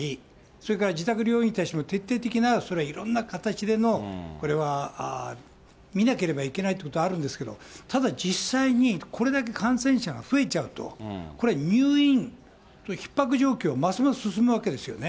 それから自宅療養に対しても徹底的ないろんな形での、これは見なければいけないということはあるんですけど、ただ実際に、これだけ感染者が増えちゃうと、これ、入院、ひっ迫状況はますます進むわけですよね。